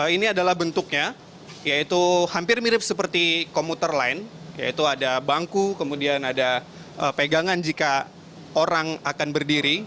ini adalah bentuknya yaitu hampir mirip seperti komuter lain yaitu ada bangku kemudian ada pegangan jika orang akan berdiri